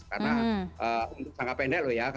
karena untuk jangka pendek loh ya